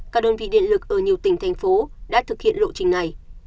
các đơn vị điện lực ở nhiều tỉnh thành phố đã thực hiện lộ trình này